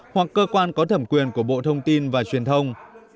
hoặc cơ quan có thẩm quyền của bộ thông tin và truyền thông